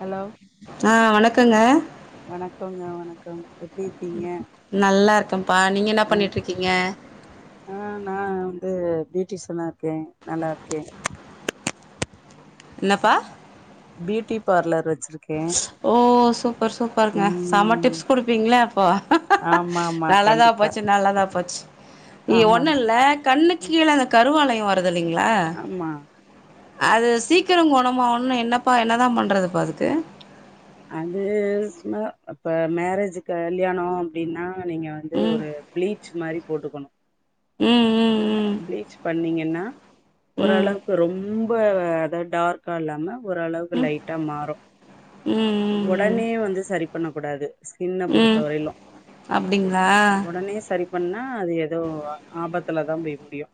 Hello வணக்கங்க வணக்கொங்க வணக்கம் எப்டி இருக்கீங்க நல்லா இருக்கன்ப்பா நீங்க என்ன ம் பண்ணிட்டு இருக்கீங்க ஆ நா வந்து ப்யூட்டிஷனா இருக்கேன் நல்லா இருக்கேன் என்னப்பா பியூட்டி பார்லர் வெச்சிரு ஓ சூப்பர் சூப்பருங்க செம்ம ம் டிப்ஸ் குடுப்பீங்ளே அப்போ ஆமா ஆமா நல்லதா கண்டிப்பா போச்சு நல்லதா போச்சு இ ஒன்னு ஆமாங்க இல்ல கண்ணுக்கு ம் சீழ அந்த கருவலயோ வருது இல்லைங்ளா ஆமா அது சீக்கிரோ கொணமாகனுனா என்னப்பா என்னதான் பண்ணறதுப்பா அதுக்கு அது சும்மா இப்ப மேரேஜு கல்யாணோ அப்டினா நீங்க வந்து ம் ஒரு ப்ளீச் மாரி போட்டுக்கணு ம் ம் பிளீச் பண்ணீங்கன்னா ம் ஓரளவுக்கு ரொம்ப அதா டார்க்கா இல்லாம ஓரளவுக்கு லைட்டா மாறு ம் ம் ம் ஒடனே வந்து சரி பண்ண கூடாது ஸ்கின்ன பொறுத்த ம் வரையிலு அப்டிங்களா ஒடனே சரி பண்ணா அது எதோ ஆபத்துலதான் போய் முடியு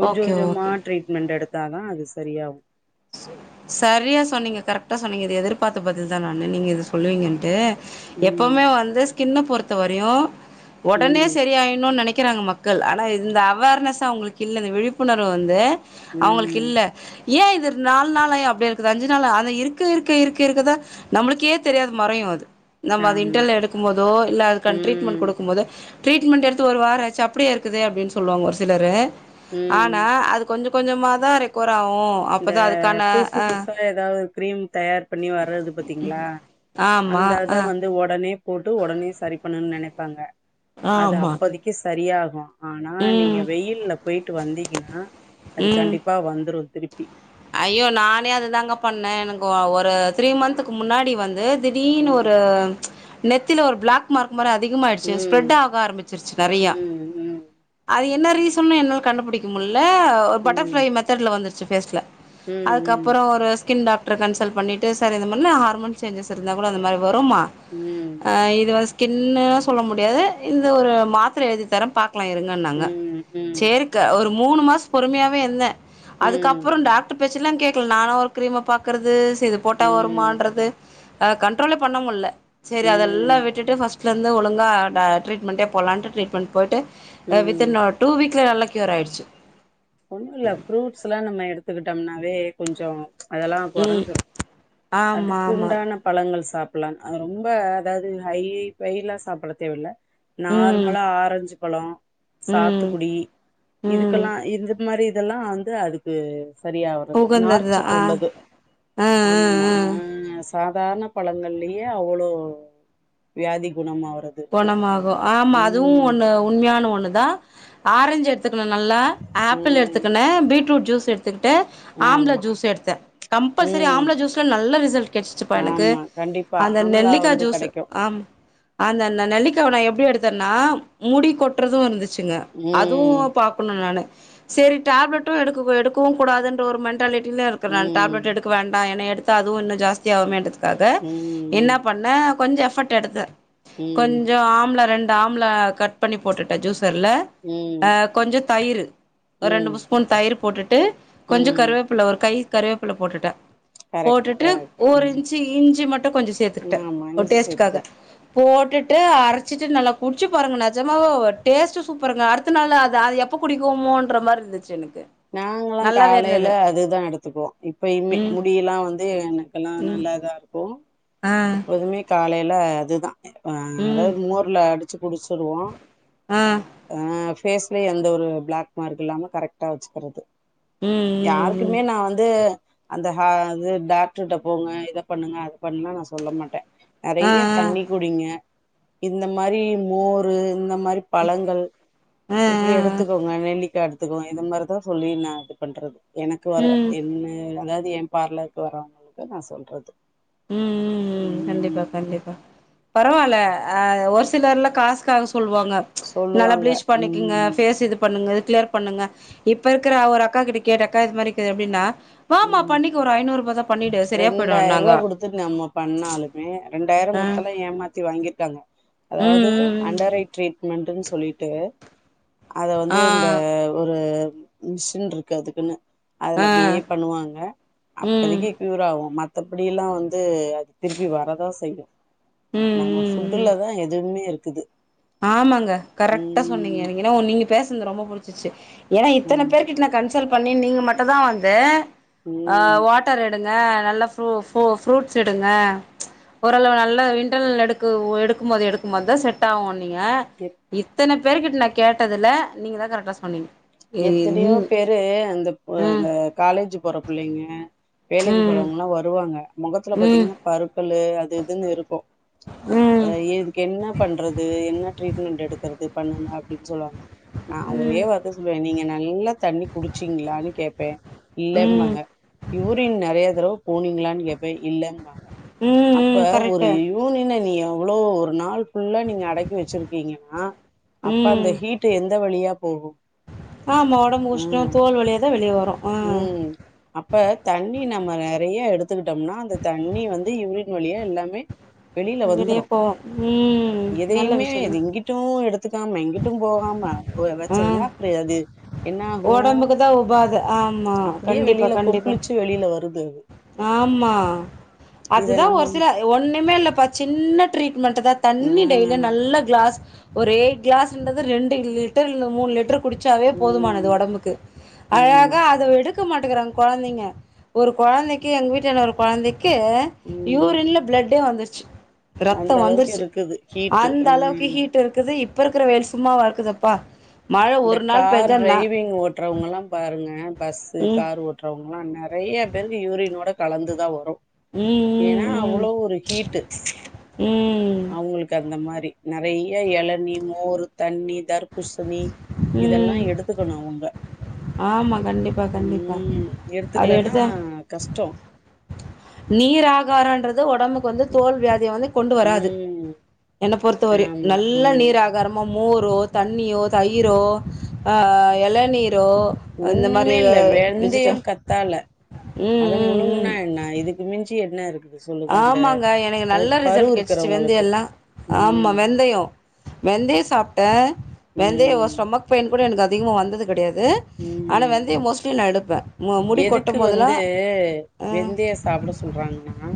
கொஞ்ச ஓகே கொஞ்சமா ஓகே ட்ரீட்மெண்ட் எடு த்தாதா அது சரியாகு சரியா சொன்னீங்க கரெக்டா சொன்னீங்க இது எதிர்பார்த்த பதில்தா நானு நீங்க இத சொல்லுவீங்கன்ட்டு ம் எப்பமே வந்து ஸ்கின்ன பொறுத்த வரையு ஒடனே ம் சரி ஆயின்னு நெனை க்கறாங்க மக்கள் ஆனா இந்த அவேர்னஸ அவுங்களுக்கு இல்ல இந்த விழிப்புணர்வு வந்து அவுங்களுக்கு ம் இல்ல ஏன் இது நால் நாள் ஆய் அப்டியே இருக்குது அஞ்சு நாளா அந்த இருக்க இருக்க இருக்க இருக்கதா நம்மளுக்கே தெரியாது மறையு அது நம்ம அது ஆமா இன்டெர்ன்ல்ல எடுக்கும்போதோ இல்ல அதுக்கான டரீட்மெண்ட் ம் குடுக்கும்போது ட்ரீட்மெண்ட் எடுத்து ஒரு வார ஆச்சு அப்டியே இருக்குது அப்டின் சொல்லுவாங்க ஒரு சிலரு ம் ஆனா அதுக் கொஞ்ச கொஞ்சமா தா ரெக்கவர் ஆகு அப்பதா அதுக்கான அ எதாவொரு கிரீம் தயார் பண்ணி வர்றது பாத்தீங்ளா ஆமா அந்தது தா அ வந் து ஒடனே போட்டு ஒடனே சரி பண்ணனுன் நெனைப்பாங்க அது ஆமா அப்போதைக்கு சரியாகு ஆனா நீங்க ம் வெயில்ல போயிட்டு வந்தீங்கனா அது ம் கண்டிப்பா வந்துரு திருப்பி ஐயோ நானே அது தாங்க பண்ணே எனக்கு ஒ ஒரு த்ரீ மந்த்துக்கு முன்னாடி வந்து திடீர்னு ஒரு ம் நெத்தில ஒரு பிளாக் மார்க் மாரி அதிகமாயிடுச்சு ஸ்ப்ரெட் ம் ஆக ஆரம்மிச்சிருச்சு நெறையா ம் ம் அது என்ன ரீசன்னு என்னால கண்டுபிடிக்க முட்ல ஒரு ம் பட்டர்ஃபிளை மெத்தட்ல வந்துருச்சு ஃபேஸ்ல ம் அதுக்கப்பற ஒரு ஸ்கின் டாக் ட்ர கன்சல் பண்ணிட்டு சார் இந்த மாரிலா ஹார்மோன் சேஞ்சஸ் இருந்த கூட அந்த மாரி வருமா ம் ஆ இது வந்து ஸ்கின்ன சொல்ல முடியாது இந்த ஒரு மாத்தர எழுதி தர பாக்கலா இருங் கன்னாங்க ம் சேரி க ஒரு மூணு மாச பொறுமையாவே இருந்தே ம் அதுக்கப்ற டாக்ட் ட்ரு பேச்சலா கேக்கல நானா ஒரு கிரீம பாக்கறது செரி இது போட்டா ம் வருமான்றது அ கண்ட்ரோலே பண்ண முட்ல சேரி ம் அதெல்லா விட்டுட்டு ஃபஸ்ட் ஸ்டலருந்தே ஒழுங்கா டா ட்ரீட்மெண்டே போலான்ட்டு ட்ரீட்மெண்ட் போயிட்டு அ வித் ம் இன் ஒ டூ வீக்ல நல்லா கியூர் ஆயிருச்சு ஒன்னுல்ல ஃப்ரூட்ஸ்லா நம்ம எடுத்துக்கிட்டம்னாவே கொஞ்ச அதெல்லா ம் கொறஞ்சிரு ஆமா ஆமா அதுக்குண்டான பழங்கள் சாப்பிட்லான் அது ரொம்ப அதாவ்து ஹை பெயிலா சாப்ட தேவயில்ல ம் நார்மலா ஆரஞ்சு பழ ம் சாத்துக்குடி ம் இதுக்கெல்லா இந்த மாரி இதெல்லா வந்து அதுக்கு சரியாவுறது உகந்ததுதா நார்ச்சத்து ஆ உள்ளது ஆ ஆமா ஆ ஆ அ சாதார்ண பழங்கள்லயே அவ்வளோ வியாதி குணமாவுறது கொணமாகு ஆமா அதுவு ஒன்னு உண்மையான ஒன்னுதா ஆரஞ்சு எடுத்துக்கணு நல்லா ஆப்பிள் ம் எடுத்துக்கணு பீட்ரூட் ஜூஸ் எடுத்துக்கிட்டு ஆம்லா ஆமா ஜூஸ் எடுத்தே கம்ப்பல்சரி ம் ஆம்லா ஜூஸ்லா நல்ல ரிசல்ட் கெடைச்சிச்சுப்பா எனக்கு ஆமா கண்டிப்பா அந்த ஆம்லா நெல்லிக்கா வந்து ஜூஸ் கெடைக்கு ஆமா அந்த ந நெல்லிக்காவ நா எப்டி எடுத்தன்னா முடி கொட்றது இருந்துச்சுங்க அதுவு ம் ப புன்னுனால சேரி டேப்லட்டு எடுக்க கூ எடுக்கவு கூடாதுன்ற ஒரு மென்டாலிட்டிலே இருக்குறே நான் ம் டேப்லெட் எடுக் க்க வேண்டா ஏனா எடுத்த அதுவு இன்னு ஜாஸ்தியாகுமேன்றதுக்காக என்ன ம் பண்ணே கொஞ்ச எஃபர்ட் எடுத்தே ம் கொஞ்ச ஆம்லா ரெண்டு ஆம்லா கட் பண்ணி போட்டுட்டே ஜூசர்ல ம் அ கொஞ்சம் தயிரு ரெண்டு ம் மூண் ஸ்பூன் தயிரு போட்டுட்டு கொஞ்ச ம் கருவேப் பில்ல ஒரு கை கருவேப்பில்ல போட்டுட்டே கரெக்ட் போட்டுட்டு கரெக்ட் ஒரு ம் இன்சி இஞ்சி மட்டு கொஞ்ச சேத்துக்கிட்டே ஆமா ஒரு இஞ்சி சேத்துக்கோ டேஸ்ட்க்காக போட்டுட்டு அரைச்சிட்டு நல்லா குடிச்சு பாருங்க நெஜமாவே டேஸ்ட்டு சூப்பருங்க அடுத்த நாளு அது அது எப் எப்ப குடிக்குவோமோன்ற மாரி இருந்துச்சு எனக்கு நாங்கலா நல்லாவே காலைல இருந்தது அதுதா எடுத்துக்குவோ இப்பயுமே ம் முடியெல்லா வந்து எனக்கெல்லா ம் நல்லாதா இருக் கு ஆ எப்போதுமே காலைல அதுதா ஆ ம் அதாவ்து மோர்ல அடிச் ச்சு குடிச்சிருவோ ஆ ஆ ஃபேஸ்லயு எந்த ஒரு பிளாக் மார்க் இல்லாம கரெக்டா வச்சுக்கிறது ம் ம் ம் யாருக்குமே நா வந்து அந்த ஹே அது டாக்டருட்ட போங்க இத பண்ணுங்க அத பண்லா நா சொல்ல மாட்டே ஆ நெறையா தண்ணி குடிங்க இந்த மாரி மோரு இந்த மாரி பழங்கள் ஆ ஆ இப்படி ஆ ஆ எடுத்துக்கோங்க நெல்லிக்கா எடுத்துக்கோங்க இத மாரி தா சொல்லி நா இது பண்றது எனக்கு வர ம் என்ன அதாவது என் பார்லருக்கு வரவங்ளுக்கு நா சொல்றது உம் உம் உம் கண்டிப்பா ம் கண்டிப்பா பரவாயில்ல ஆ ஒரு சிலர்லா காசுக்காக சொல்லுவாங்க ம்ச் நல்லா சொல்லுவாங்க பிளீச் பண்ணிக்கங்க ம் பேஸ் இது பண்ணுங்க கிளியர் பண்ணுங்க இப்ப இருக்கிற ஒரு அக்கா கிட்ட கேட்டக்கா இது மாரி இருக்குது அப்படின்னா வாமா ம் பண்ணிக்கோ ஒரு ஐநூறு ரூபா தா பண்ணிடு சரியா போயிடு நாங்க துட்டு நம்ம பண்ணாலுமே ரெண்டாயிரோ கொடுத்தல்லா ஏமாத்தி வாங்கிருக்காங்க ம் அதாவது ம் ம் அண்டர் ஐ ட்ரீட்மெண்ட்ன்னு சொல்லிட்டு அத வந்து ஆ இந்த ஒரு மிஷின் இருக்கு அதுக்குன்னு அதுல அப்படியே ஆ பண்ணுவாங்க ம் அப்போதைக்கு கியூர் ஆகு மத்தபடிலா வந்து அது திருப்பி வரதா செய்யு ம் நம்ம ம் ம் ஃபுட்டுலதா எதுவுமே இருக்குது ஆமாங்க கரெக்டா சொன்னீங்க ம் எனக்கென்னவோ நீங்க பேசுனது ரொம்ப புடிச்சுச்சு ஏன்னா இத்தன ம் பேர்கிட்ட நா கன்ச சல் பண்ணி நீங்க மட்டுதா வந்து ம் வாட் வாட்டர் எடுங்க நல்லா ஃபு ஃபு ஃபுரூட்ஸ் எடுங்க ம்ச் ஓரளவு நல்ல இன்டர்னல் எடு எடுக்கும் போது எடுக்கும் போதுதா செட் ஆவு என்னிங்க எப் இத்தன பேருர்கிட்ட நா கேட்டதுல நீங்க தா கரெக்டா சொன்னீங்க ஏ எத்தனையோ ம் பேரு அந்த ம் அந்த காலேஜ் போற புள்ளைங்க வேலைக்கு ம் போறவங்கலா வருவாங்க முகத்துல ம் பாத்தீங்கன்னா பருக்களு அது இதுன்னு இருக்கு ம் அய்யே இதுக்கு என்ன பண்றது என்ன ட்ரீட்மெண்ட் எடுக் கற்து பண்ணுங்க அப்படின்னு சொல்லுவாங்க நான் ஒரே ம் வார்த்தை சொல்லுவேன் நீங்க நல்லா தண்ணி குடிச்சீங்களான்னு கேப்பே இல்லேம்பாங்க ம் யூரின் நறைய தடவ போனீங்களான்னு கேப்ப இல்லன்னுவாங்க ம் அப்ப ம் ஒரு கரெக்ட்டு னின நீ எவ்ளோ ஒரு நாள் ஃபுல்லா நீங்க அடக்கி வச்சிருக்கீங்கன்னா அப்ப அந்த ம் ஹீட் எந்த வழியா போகு ஆமா ஒடம்பு ஆ உஷ்னோ தோல் வழியா தா வெளிய வரும் ஆ ம் அப்ப தண்ணி நம்ம நெறையா எடுத்துக்கிட்டோம்னா அந்த தண்ணி வந்து யூரின் வளியா எல்லாமே வெளியில இங்கலயே வந்துரு போவோ ம் நல்ல எதையுமே விஷயந்தா அதுங்ட் டும் எடுத்துக்காம இங்கிட்டும் போகாம ஆ வச்சிருந்தா அப்படி அது என்ன ஆகு ஒடம்புக்கு தா உபாத ஆமா அப்டியே கண்டிப்பா வெளியில கண்டிப்பா கொப்புளிச்சு வெளியில வருது அது ஆமா இத அதுதா நம்ம ஒரு சில ஒண்ணுமேல்லப்பா சின்ன ட்ரீட்மெண்ட் தா ஆ தண்ணி டெய்லியு நல்லா க்ளாஸ் ஒரே கிளாஸண்றது ரெண்டு லிட்டர்ல்ல மூணு லிட்டரு குடிச்சாவே போதுமானது ம் ஒடம்புக்கு ஆமா அழகா அதை விடு இருக்க மாட்டுக்கிறாங்க கொழந்தைங்க ஒரு கொழந்தைக்கு எங்க வீட்டாண்ட ஒரு கொழந்தைக்கு கு ம் யூரின்ல பிளட்டே வந்துருச்சு ரத்த அந்த அளவுக்கு வந்துருச்சு இருக்குது ஹீட்டு அந்த அளவுக்கு ம் ஹீட் இருக்குது இப் இப்போ இருக்கிற வெயில் சும்ம வா இருக்குதுப்பா மழை ஒரு நாள் பேஞ்சா ந ஓட்ரவங்வங்கல்லா பாருங்க பஸ்ஸூ ம் கார் ஒட்ர ரவங்களா நெறைய பேருக்கு யூரனோட கலந்துதா வரு உம் ஏனா அவ்வளோ ஒரு ஹீட்டு ம் ம் அவுங்களுக்கு அந்த மாரி நெறைய எளனி மோரு தண்ணி தர் பூசணி இதெல்லா ம். எடுத்துக்கணு அவுங்க ஆமா. கண்டிப்பா, கண்டிப்பா. ம் அது எடுத்துக்கலன்னா எடுத்தா கஷ்டோ நீராகாரங்றது உடம்புக்கு வந்து தோல் வியாதிய வந்து கொண்டு வராது ம் என்ன பொறுத்த வரயு ஆமா நல்ல ம் நீர் ஆகாரம் நம்ம மோரோ தண்ணியோ தயிரோ ஆ எளனீரோ ஒண்ணுமே இல்ல வெந்தயம் கத்தால ம், அத ம், முழுங்குனா ம். என்ன இதுக் கு மிஞ்சி என்ன இருக்கு ஆமாங்க எனக்கு நல்ல ரிசல்ட் கெடச்சிச்சு இருக்கிறவங்களுக்கு வெந்தயல்லா ஆமா ம் வெந்தயம் வெந்தயம் சாப்டே வெந்தயோ ம் ஸ்டொமக் பெய்ன் கூட எனக்கு அதிகமா வந்தது கெடயாது ம் ஆனா வெந்தயோ மோஸ்ட்லி நா எடுப்பே முடி எதுக்கு கொட்டும் போதெல்லா வந்து ஆ வெந்தயோ சாப்ட சொல்றாங்கன்னா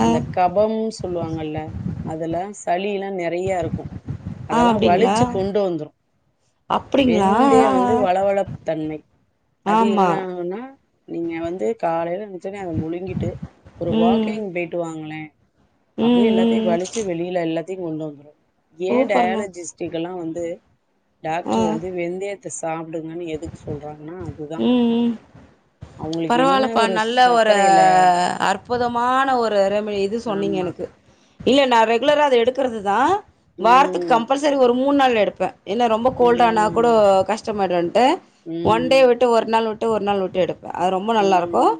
ஆ அந்த கபம் சொல்லுவாங்கள்ல அதுல சளில்லா நெ றையா ருக்கும் ஆ அதெல்லா அப்டிங்களா வலிச்சு கொண்டு வந்துரும் அப்டிங்களா ஆ வெந்தயம் ஆ வந்து வழவழப்பு தன்மை அது ஆமா என்னாகுன்னா நீங்க வந்து காலைல எந்திருச்சவோடனே அத முழுங்கிட்டு ஒரு ம் வாக்கிங் போயிட்டு வாங்களே அப்டியே ம் எல்லாத்தையு ம் வழுச்சு வெளில எல்லாத்தையு கொண்டு வந்துரு ஏ சூப்பருங்க டயாலஜிஸ் ஜிக்கெல்லா வந்து ஆ டாக்டர் வந்து வெந்தயத்த சாப்டுங்கன்னு எதுக்கு சொல்றாங்கன்னா அதுதா ம் அவங்களுக்கு என்ன பரவால்லப்பா ஒரு நல்ல ஒரு சர்க்கரையில அற்புதமான ஒரு ரெமி இது சொன்னீங்க ஆமா எனக்கு இல்ல நா ரெகுலரா அத எடுக்குறது தான் வாரத்துக்கு ம் கம்பல்சரி ஒரு மூணு நாள் எடுப்பே இல்ல ரொம்ப கோல்டானா கூட ம் கஷ்டமாயிடுன்டு ஒன் டே ம் விட்டு ஒரு நாள் விட்டு ஒரு நாள் விட்டு எடு அது ரொம்ப நல்லாருக்கு ம்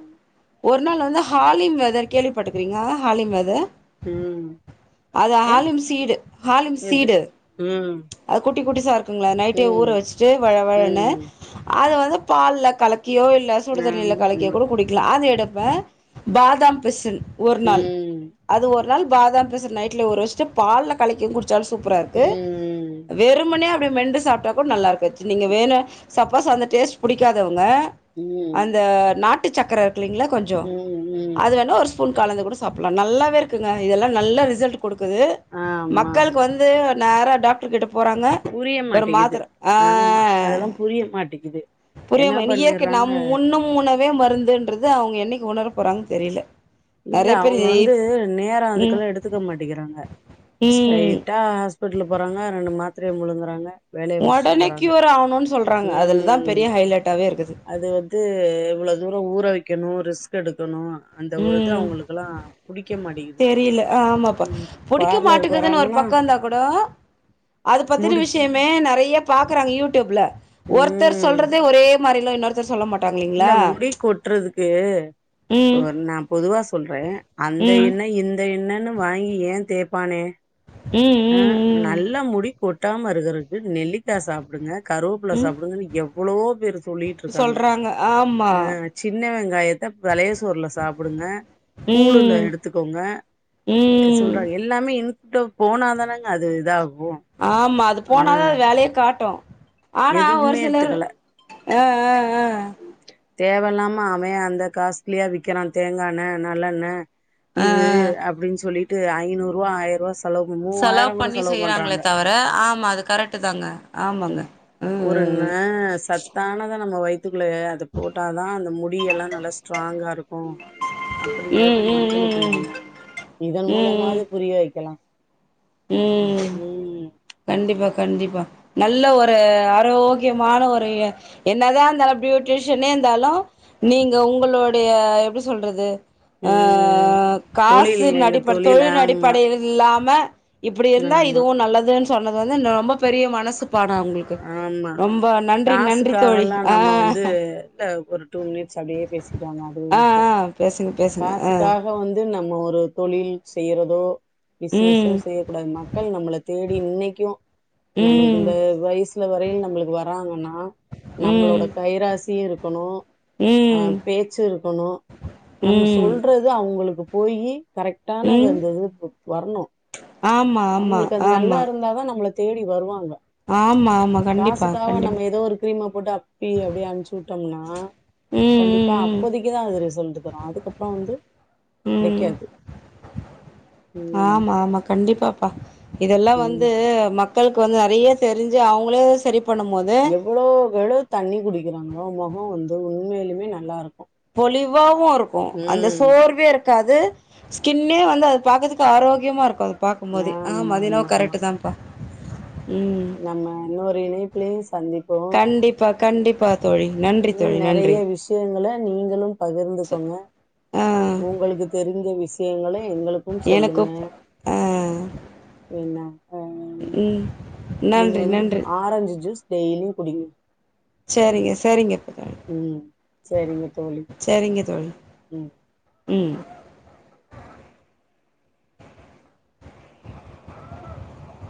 ஒரு நாள் வந்து ஹாலிம் வெத கேள்வி பட்டுருகீங்களா ஹாலிம் வெத ம் அது ஏ ஹாலிம் சீடு ஹாலிம் எது சீடு ம் அது குட்டி குட்டிஸா இருக்குங்கள நைட்டே ஊற ம் வச்சுட்டு வழ வழன்னு ம் அத வந்து பால்ல கலக்கியோ இல்ல சுடுதண்ணில ஆமா கலக்கியோ ஆமா கூட குடிக்கலா அத எடுப்பே பாதாம் பிசின் ஒரு நாள் ம் அது ஒரு நாள் பாதாம் பிசின் நைட்ல ஊற வச்சுட்டு பால்ல கலக்கி குடிச்சாலு சூப்பராருக்கு ம் வெறும்மனே அப்டியே மெண்டு சாப்பிட்டா கூட நல்லாருக்கு அச் நீங்க வேண சப்போஸ் அந்த டேஸ்ட் பிடிக்காதவங்க ம் ந்த நாட்டு சக்கர இருக்குலீங்களா கொஞ்சோ ம் ம் அது வேணா ஒரு ஸ்பூ ஃபூன் கலந்து கூட சாப்பிடலா நல்லாவே இருக்குங்க இதெல்லா நல்லா ரிசல்ட் குடுக்குது ஆமா மக்களுக்கு ஆமா வந்து நேரா டாக்டர் கிட்ட போறாங்க ஒரு மாத்தர ஆம்மா அதெல்லா புரிய மாட்டேங்குது என்ன புரியமா நீ இயற்கை நாம் பண்ணிறாங்க உண்ணும் உணவே மருந்துன்றது அவுங்க என்னைக்கு உணர போறாங்க தெரில இல்ல நெறைய பேர் அவுங்க வந்து நேரோ ம் அதுக்கெல்லா எடுத்துக்க மாட்டேங்கிறாங்க ம் ஸ்ரைட்டா ஹாஸ் பிட்லுக்கு போறாங்க ரெண்டு மாத்ரய முழுங்கறாங்க ஒடனே க்யூர் ஆகணும்னு சொல்றாங்க அதுல தா பெரிய ஹைலைட்டாவே இருக்குது து இவ்ளோ தூரோ ஊற வைக்கணு ரிஸ்க் எடுக்கணு அந்த ஒரு ம் அவுங்களுக்கெல்லா புடிக்க மாட்டேங்குது தெரியல ஆமாப்பா ம் பார்லருக்கு வராங்கன்னா குடோ அது பத்தின முடி விஷயம் மே நறைய பாக்குறாங்க யூடியூப்ல ஒர்த்தர் ம் சொல்றதே ஒரே மாரிலா இன்னொருத்தர் சொல்ல மாட் இல்ல முடி கொட்றதுக்கு இப்ப ம் வன் நா பொதுவா சொல்றே அந்த ம் எண்ண இந்த எண்ணன்னு வாங்கி ஏ தேப்பானே ம் ம் ம் நல்லா முடி கொட்டாமருக்குறதுக்கு நெல்லிக்கா சாப்டுங்க கருவேப்புல ம் சாப்டுங்கன் எவ்ளோ பேர் சொல்லிட்ரு சொல்றாங்க ஆமா ஆ சின்ன வெங்காயத்த பழைய சோறுல சாப்டுங்க கூழுல ம் எடுத்துக்கோங்க ம் சொல்றாங்க எல் லாமே இன்புட்டா போனாதானங்க அது இதாகு ஆமா அது ஆ போனாதா அது வேலயே காட்டுஆனா ஒரு எதுவுமே சிலர் எடுத்துக்கல ஆ ஆ ஆ தேவயில்லாம அவே அந்த காஸ்ட்லியா விக்கிறா தேங்காண்ண நல்லெண்ண ஆ இது அப்டின் சொல்லிட்டு ஐநூறு ரூவா ஆயரூவா செலவு பண் செலவு மூவாயிரோகூட பண்ணி செலவு செய்யறாங்களே பண்றாங்க தவிர ஆமா அது கரெக்ட்டு தாங்க ஆமாங்க ம் ஒரு ம் ந ம் சத்தானதா நம்ம வய்த்துக்குள்ள அ த போட்டாதா அந்த முடியல்லா நல்லா ஸ்ட்ராங்காருக்கு ம் ம் ம் ம் இதன் ம் மூலமாது புரிய வெக்கலா ம் கண்டிப்பா கண்டிப்பா நல்ல ஒரு ஆரோக்கியமான ஒரு என்னதா இர்ந்தாலு ப்யூடிஷனே இந்தாலு நீங்க ஒங்களோடய எப்டி சொல்றது ஆ ம் தொழில் காசுனு எங்க அடிப்படை தொழில் ஆமா அடிப்படையில் இல்லாம இப்டி இருந்தா ஆமா இதுவு நல்லதுன்னு சொன்னது வந்து ரொம்ப பெரிய மனசு பா னா ஒங்ளு ஆமா தோழி காசுக்காகல்லா ஆ நம்ம வந்து இல்ல ஒரு டூ மினிட்ஸ் அப்டியே பேசிட்டுவாங்க அதுவே ஆ நிக்கு ஆ பேசுங்க பேசுங்க ஆ காசுக்காக வந் து நம்ம ஒரு தொழில் செய்றதோ பிசினஸோ ம் செய்ய கூடாது மக்கள் நம்மள தேடி இன்னைக்கு ப்ப நம்மளுக்கு ம் இந்த வய்சு சுல வரைல் நம்மளுக்கு வராங்கன்னா ம் நம்ளோட கைராசியு இருக்கணு ஆ ம் பேச்சு இருக்கணு நம்ம ம் சொல்றது அவுங்களுக்கு போயி கரெக்டான ம் அந்தந்த இது வர்ணு ஆமா ஆமா அவுங்களுக்கு அது ஆமா நல்லாருந்தாதா நம்மள தேடி வருவாங்க ஆமா ஆமா கண்டிப்பா கண்டிப்பா க்ரீம போட்டு அப்பி அப்டியே அம்ச்சுட்டம்னா ம் கண்டிப்பா ம் ம் அப்போதைக்கி தா அது ரிசல்ட்டு தரு அதுக்கப்றோ வந்து ம் கெடைக்காது ம் ஆமா ஆமா கண்டிப்பாப்பா இதெல்லா ம் வந்து மக்களுக்கு வந்து நறைய தெரிஞ்சு அவுங்களே செரி பண்ணம்போது எவ்ளோக்கெவளோ தண்ணி குடிக்கிறாங்ளோ மொகோ வந்து உண்மயிலுமே நல்லாருக்கு பொலிவாவுருக்கு அந்த சோர்வேரு காது ஸ்கின்னே வந்து அது பாக்கறதுக்கு ஆரோக்கியமாருக்கு அது பாக்கும்போதே ஆமா அது என்னவோ கரெக்டு தா [inaudible] நம்ம இன்னொரு இணைப்லே சந்திப்போ ச கண்டிப்பா தோழி நன்றி இன்னு தோழி நறைய நன்றி விஷ்யங்கள நீங்களு பகிர்ந்துக்கொங்க ஆ உங்களுக்கு தெரிஞ்ச விஷயங்கள எங்களுக்கு எனக்கு சொல்லுங்க ஆ என்ன ஹ ம் நீங்க நன்றி வந்து நன்றி ஆரஞ்சு ஜூஸ் டெய்லியு குடிங்க சரிங்க சரிங்க ம் சரிங்க தோழி சரிங்க தோழி ம் ம்